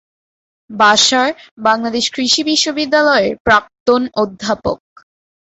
বাসার বাংলাদেশ কৃষি বিশ্ববিদ্যালয়ের প্রাক্তন অধ্যাপক।